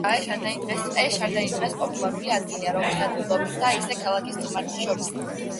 ეს შადრევანი დღეს პოპულარული ადგილია, როგორც ადგილობრივთა, ისე ქალაქის სტუმართა შორის.